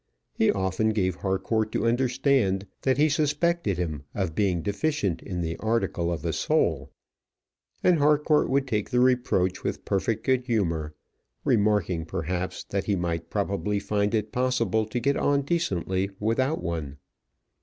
He often gave Harcourt to understand that he suspected him of being deficient in the article of a soul; and Harcourt would take the reproach with perfect good humour, remarking, perhaps, that he might probably find it possible to get on decently without one.